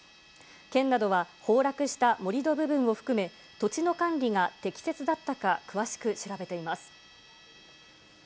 県などは崩落した盛り土部分を含め、土地の管理が適切だったか、詳しく調べています。